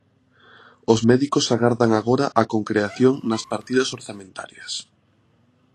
Os médicos agardan agora a concreación nas partidas orzamentarias.